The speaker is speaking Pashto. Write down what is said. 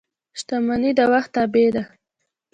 • شتمني د وخت تابع ده.